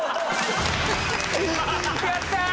やったー！